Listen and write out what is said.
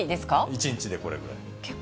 １日でこれぐらい。